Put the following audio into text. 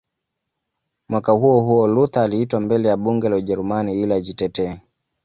Mwaka huohuo Luther aliitwa mbele ya Bunge la Ujerumani ili ajitetee